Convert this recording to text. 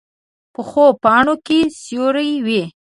پخو پاڼو کې سیوری وي